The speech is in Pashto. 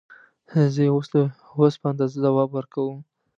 زه یې د وس په اندازه ځواب ورکوم.